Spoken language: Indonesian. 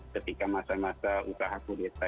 ketika masa masa usaha kudeta